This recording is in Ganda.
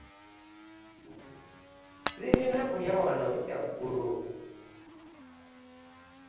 Ssirina kulya wano kyaggulo?